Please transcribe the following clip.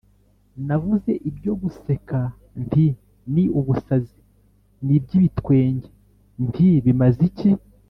Navuze ibyo guseka nti “Ni ubusazi”, n’iby’ibitwenge nti “Bimaze iki?”